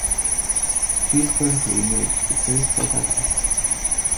She is currently engaged to Chris Delgatto.